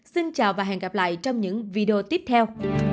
xin chào và hẹn gặp lại trong những video tiếp theo